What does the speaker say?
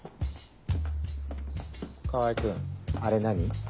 川合君あれ何？